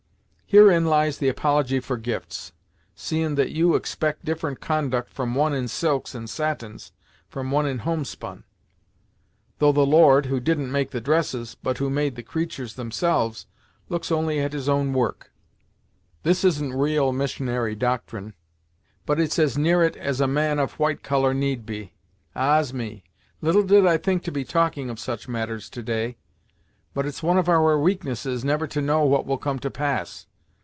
Herein lies the apology for gifts; seein' that you expect different conduct from one in silks and satins, from one in homespun; though the Lord, who didn't make the dresses, but who made the creatur's themselves, looks only at his own work. This isn't ra'al missionary doctrine, but it's as near it as a man of white colour need be. Ah's! me; little did I think to be talking of such matters, to day, but it's one of our weaknesses never to know what will come to pass.